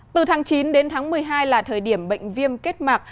từ tháng chín đến tháng một mươi hai là thời điểm bệnh viêm kết mạc